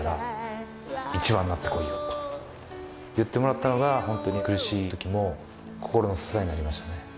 と言ってもらったのがホントに苦しい時も心の支えになりましたね。